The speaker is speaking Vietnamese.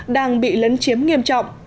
đang bị lấn chiếm nghiêm trọng